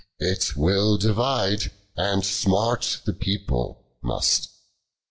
It will divide, and smart the people must. 32.